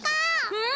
うん！